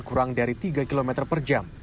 kurang dari tiga km per jam